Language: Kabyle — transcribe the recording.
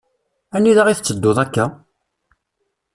Anida i tetteddud akka?